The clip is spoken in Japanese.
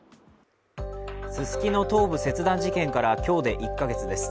ススキノ頭部切断事件から今日で１か月です。